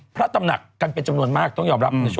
พระตำหนักกันเป็นจำนวนมากต้องยอมรับในช่วง